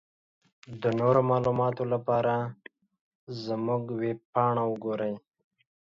د نورو معلوماتو لپاره زمونږ ويبپاڼه وګورٸ.